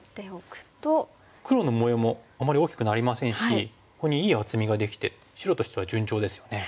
黒の模様もあまり大きくなりませんしここにいい厚みができて白としては順調ですよね。